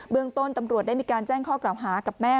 เมืองต้นตำรวจได้มีการแจ้งข้อกล่าวหากับแม่